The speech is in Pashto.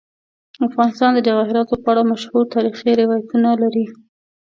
افغانستان د جواهرات په اړه مشهور تاریخی روایتونه لري.